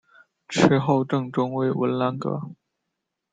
池后正中为文澜阁。